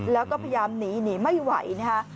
แล้วก็พยายามหนีหนีไม่ไหวนะคะ